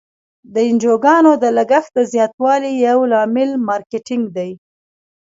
د انجوګانو د لګښت د زیاتوالي یو لامل مارکیټینګ دی.